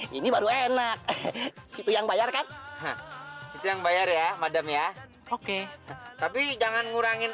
hai ini baru enak situ yang bayar kan yang bayar ya madem ya oke tapi jangan ngurangin